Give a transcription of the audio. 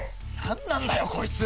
何なんだよこいつ！